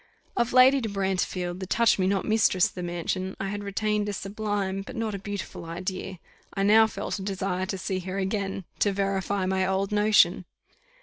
_ Of Lady de Brantefield, the touch me not mistress of the mansion, I had retained a sublime, but not a beautiful idea I now felt a desire to see her again, to verify my old notion.